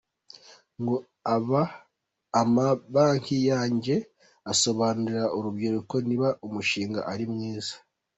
Ngo amabanki yajya asobanurira urubyiruko niba umushinga ari mwiza.